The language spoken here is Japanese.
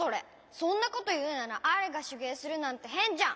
そんなこというならアイがしゅげいするなんてへんじゃん！